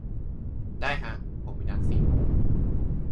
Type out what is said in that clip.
ได้ฮะ ผมมีนัดสี่โมง